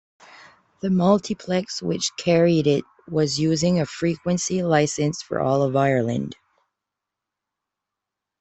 The multiplex which carried it was using a frequency licensed for all of Ireland.